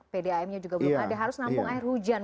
pdam nya juga belum ada harus nampung air hujan